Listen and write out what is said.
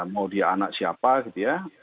mau dia anak siapa gitu ya